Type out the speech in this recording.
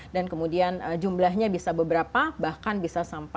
dan kemudian jumlahnya bisa beberapa bahkan bisa berapa